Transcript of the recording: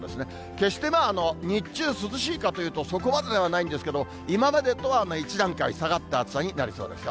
決して日中涼しいかというと、そこまでではないんですけど、今までとは一段階下がった暑さになりそうですよ。